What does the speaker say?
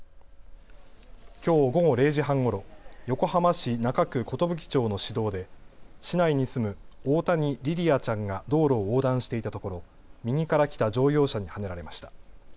きょう午後０時半ごろ、横浜市中区寿町の市道で市内に住む大谷莉々華ちゃんが道路を横断していたところ右から来た乗用車にはねられました。